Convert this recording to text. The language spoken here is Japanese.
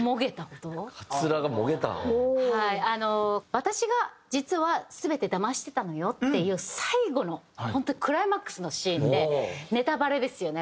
私が実は全てだましてたのよっていう最後の本当にクライマックスのシーンでネタバレですよね。